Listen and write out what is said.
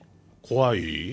怖い？